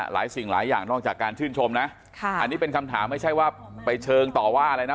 สิ่งหลายอย่างนอกจากการชื่นชมนะอันนี้เป็นคำถามไม่ใช่ว่าไปเชิงต่อว่าอะไรนะ